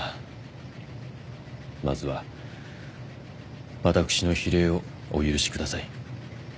まずは私の非礼をお許しください。